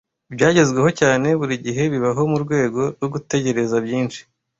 Ibyagezweho cyane buri gihe bibaho murwego rwo gutegereza byinshi.